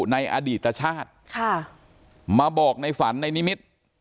ในอดีตชาติมาบอกในฝันในนิมิตร